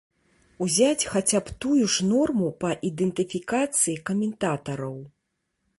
Узяць хаця б тую ж норму па ідэнтыфікацыі каментатараў.